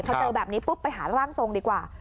พอเจอแบบนี้ปุ๊บไปหาร่างทรงดีกว่า